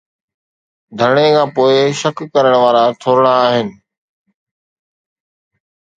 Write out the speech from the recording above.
ڌرڻي کان پوءِ شڪ ڪرڻ وارا ٿورڙا آهن.